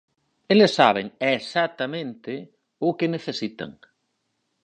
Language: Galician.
Eles saben, exactamente, o que necesitan.